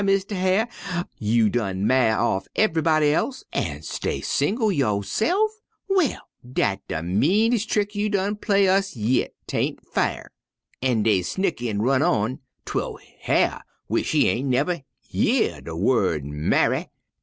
Mistar Hyar', you done ma'y off ev'yb'dy else an' stay single yo'se'f? Well, dat de meanes' trick you done played us yit! 'tain' fair!' An' dey snicker an' run on 'twel Hyar' wish he ain' nuver year de wu'd ma'y.